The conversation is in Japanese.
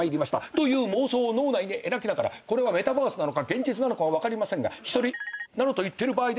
という妄想を脳内で描きながらこれはメタバースなのか現実なのかは分かりませんがなどと言ってる場合ではありません。